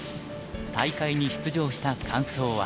大会に出場した感想は。